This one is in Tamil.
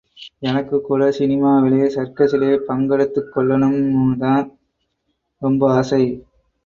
எனக்குக்கூட சினிமாவிலே, சர்க்கஸிலே பங்கெடுத்துக் கொள்ளணும்னுதான் ரொம்ப ஆசை.